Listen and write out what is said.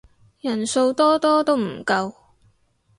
人數多多都唔夠